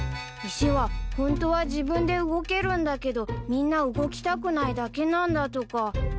石はホントは自分で動けるんだけどみんな動きたくないだけなんだとか。